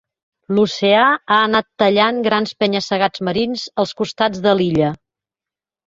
L'oceà ha anat tallant grans penya-segats marins als costats de l'illa.